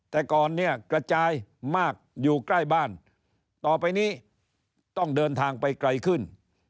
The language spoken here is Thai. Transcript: แต่ก่อนเนี่ยกระจายมากอยู่ใกล้บ้านต่อไปนี้ต้องเดินทางไปไกลขึ้น